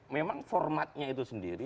memang formatnya itu sendiri